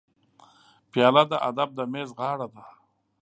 پیاله د ادب د میز غاړه ده.